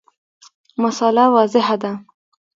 مسأله واضحه ده.